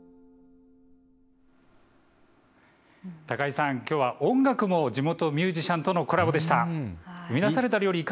高井さん、きょうは音楽も地元ミュージシャンとのコラボでした。